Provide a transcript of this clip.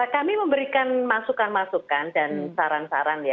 kami memberikan masukan masukan dan saran saran ya